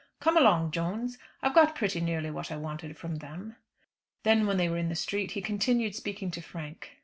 Come along, Jones, I've got pretty nearly what I wanted from them." Then when they were in the street, he continued speaking to Frank.